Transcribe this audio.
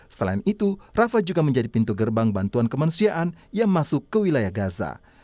selain itu rafa juga menjadi pintu gerbang bantuan kemanusiaan yang masuk ke wilayah gaza